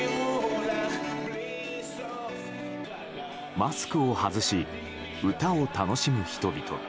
マスクを外し、歌を楽しむ人々。